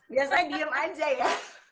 biasanya diem aja ya